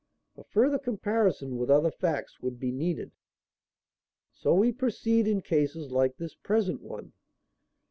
A further comparison with other facts would be needed. "So we proceed in cases like this present one.